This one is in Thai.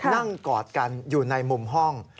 กอดกันอยู่ในมุมห้อง